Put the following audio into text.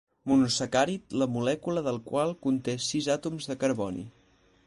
Monosacàrid la molècula del qual conté sis àtoms de carboni.